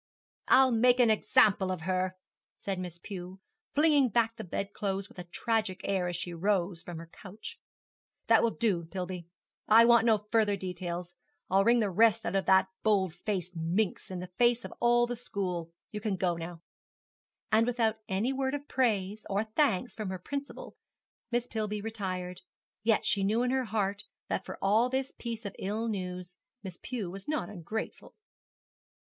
'I'll make an example of her,' said Miss Pew, flinging back the bed clothes with a tragic air as she rose from her couch. 'That will do, Pillby. I want no further details. I'll wring the rest out of that bold faced minx in the face of all the school. You can go.' And without any word of praise or thanks from her principal, Miss Pillby retired: yet she knew in her heart that for this piece of ill news Miss Pew was not ungrateful.